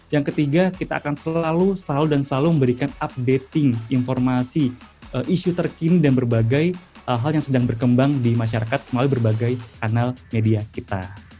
yang ketiga kita akan selalu dan selalu memberikan updating informasi isu terkini dan berbagai hal hal yang sedang berkembang di masyarakat melalui berbagai kanal media kita